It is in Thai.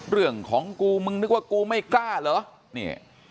เรื่องของกูมึงนึกว่ากูไม่กล้าเหรอนี่